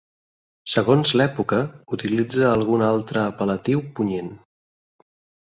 Segons l'època, utilitza algun altre apel·latiu punyent.